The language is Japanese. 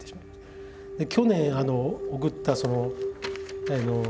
去年送ったその。